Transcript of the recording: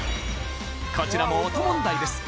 こちらも音問題です